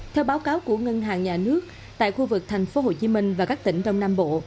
theo báo cáo của ngân hàng nhà nước tại khu vực thành phố hồ chí minh và các tỉnh đông nam bộ